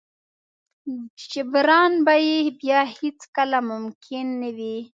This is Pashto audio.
جبران به يې بيا هېڅ کله ممکن نه وي.